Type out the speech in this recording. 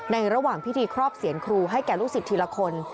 ระหว่างพิธีครอบเสียนครูให้แก่ลูกศิษย์ทีละคน